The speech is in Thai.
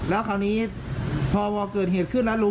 แล้วคราวนี้พอวอร์เรียสาเชอร์เกิดขึ้นแล้ว